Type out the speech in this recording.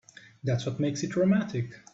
That's what makes it romantic.